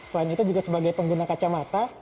selain itu juga sebagai pengguna kacamata